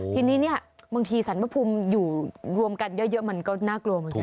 ทีนี้เนี่ยบางทีสรรพภูมิอยู่รวมกันเยอะมันก็น่ากลัวเหมือนกัน